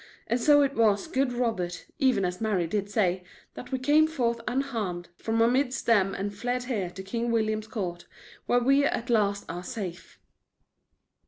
And so it was, good Robert, even as Mary did say, that we came forth unharmed, from amidst them and fled here to King William's court, where we at last are safe."